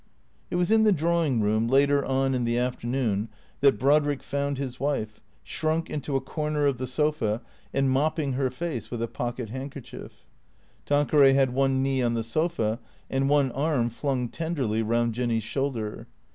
It was in the drawing room, later on in the afternoon, that Brodrick found his wife, shrunk into a corner of the sofa and mopping her face with a pocket handkerchief. Tanqueray had one knee on the sofa and one arm flung tenderly round Jinny's shoulder.